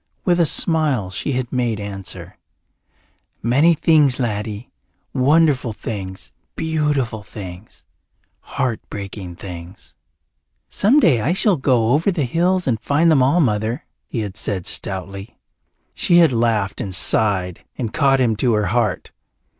With a smile she had made answer, "Many things, laddie. Wonderful things, beautiful things, heart breaking things." "Some day I shall go over the hills and find them all, Mother," he had said stoutly. She had laughed and sighed and caught him to her heart.